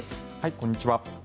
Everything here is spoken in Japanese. こんにちは。